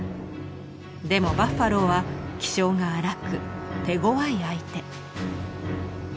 でもバッファローは気性が荒く手ごわい相手。